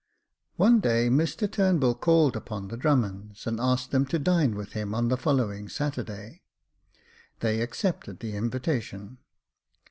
One day Mr Turnbull called upon the Drummonds, and asked them to dine with him on the following Saturday : they accepted the invitation.